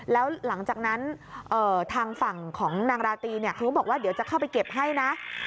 แล้วหลังจากนั้นทางฝั่งของนางราตรีเนี่ยเขาก็บอกว่าเดี๋ยวจะเข้าไปเก็บให้นะ